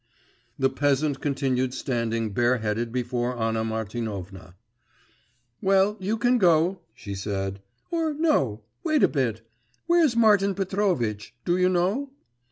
The peasant continued standing bareheaded before Anna Martinovna. 'Well, you can go,' she said. 'Or no wait a bit where's Martin Petrovitch? Do you know?